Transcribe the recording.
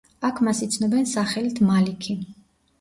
აქ მას იცნობენ სახელით მალიქი.